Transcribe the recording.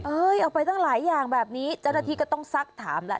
เอาไปตั้งหลายอย่างแบบนี้เจ้าหน้าที่ก็ต้องซักถามแหละ